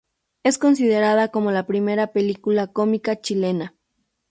Es considerada como la primera película cómica chilena.